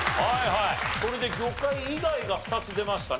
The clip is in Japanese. これで魚介以外が２つ出ましたね。